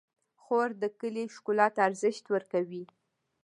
خور د کلي ښکلا ته ارزښت ورکوي.